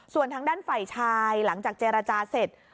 ส่วนทางด้านฝ่ายชายหลังจากเจรจาเสร็จ